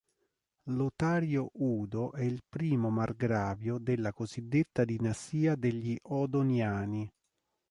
Lotario Udo è il primo margravio della cosiddetta dinastia degli Odoniani.